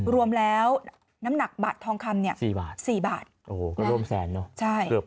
รวมแล้วน้ำหนักบาททองคำเนี่ย๔บาท๔บาทโอ้โหก็ร่วมแสนเนอะใช่เกือบ